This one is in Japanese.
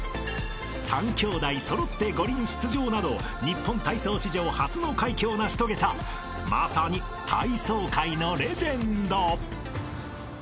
３きょうだい揃って五輪出場など日本体操史上初の快挙を成し遂げたまさに体操界のレジェンド］